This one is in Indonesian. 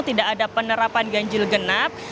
tidak ada penerapan ganjil genap